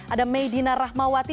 ada meidina rahmawati